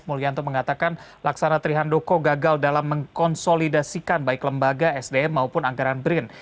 mulyanto mengatakan laksana trihandoko gagal dalam mengkonsolidasikan baik lembaga sdm maupun anggaran brin